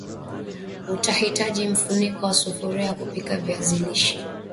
Utahitaji mfuniko wa sufuria ya kupikia viazi lishe